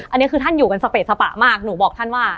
อันนี้คือท่านอยู่กันสเปสปะมากหนูบอกท่านว่า